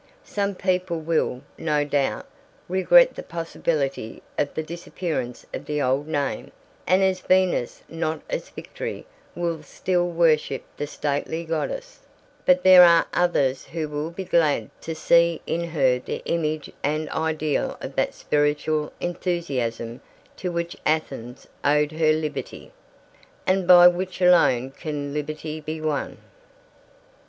Some people will, no doubt, regret the possibility of the disappearance of the old name, and as Venus not as Victory will still worship the stately goddess, but there are others who will be glad to see in her the image and ideal of that spiritual enthusiasm to which Athens owed her liberty, and by which alone can liberty be won.